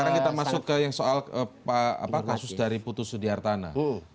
jadi kalau kita lihat kasus dari putus sudiartana